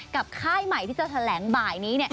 ค่ายใหม่ที่จะแถลงบ่ายนี้